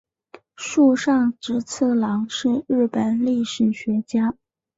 村上直次郎是日本历史学家。